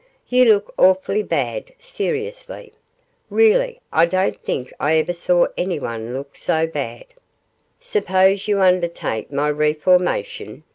You look awfully bad,' seriously. 'Really, I don't think I ever saw anyone look so bad.' 'Suppose you undertake my reformation?